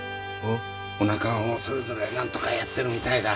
お仲間もそれぞれ何とかやってるみたいだ。